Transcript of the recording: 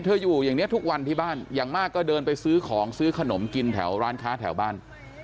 อยู่อย่างนี้ทุกวันที่บ้านอย่างมากก็เดินไปซื้อของซื้อขนมกินแถวร้านค้าแถวบ้าน